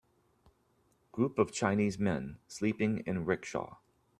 Group of Chinese men sleeping in rickshaw.